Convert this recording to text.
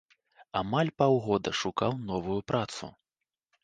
Амаль паўгода шукаў новую працу.